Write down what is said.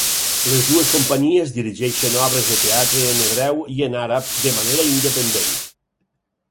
Les dues companyies dirigeixen obres de teatre en hebreu i en àrab de manera independent.